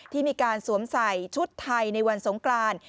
ที่มีการสวมใส่ชุดไทยในวันสงกราน